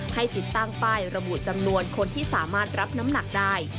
ให้ติดตั้งป้ายระบุจำนวนคนที่สามารถรับน้ำหนักได้